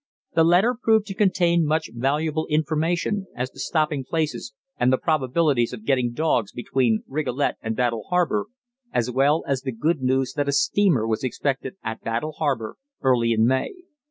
The letter proved to contain much valuable information as to stopping places and the probabilities of getting dogs between Rigolet and Battle Harbour, as well as the good news that a steamer was expected at Battle Harbour early in May.